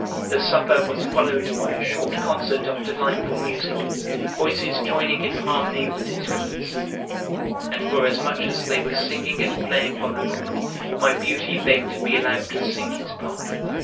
The supper was followed by a short concert of delightful music, voices joining in harmony with instruments; and forasmuch as they were singing and playing from the book, my beauty begged to be allowed to sing his part.